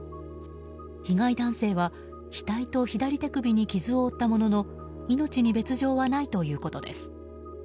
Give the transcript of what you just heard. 被害男性は、額と左手首に傷を負ったものの命に別条はないということです。